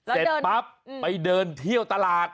เสร็จปั๊บไปเดินเที่ยวตลาด